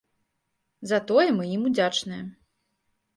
За тое мы ім удзячныя.